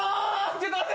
ちょっと待って。